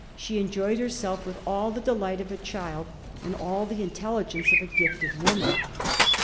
she enjoyed herself with all the delight of a child and all the intelligence of a gifted woman.